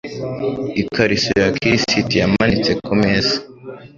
Ikariso ya kirisiti yamanitse kumeza.